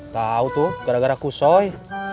tahu tuh gara gara kusoi